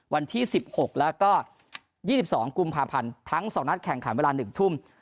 วันที่๑๖แล้วก็๒๒กุมภาพันธ์ทั้ง๒นัดแข่งขันเวลา๑ทุ่ม